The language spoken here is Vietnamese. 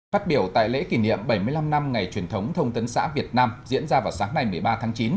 phát biểu tại lễ kỷ niệm bảy mươi năm năm ngày truyền thống thông tấn xã việt nam diễn ra vào sáng nay một mươi ba tháng chín